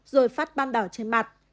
rồi phát ban đảo trên mặt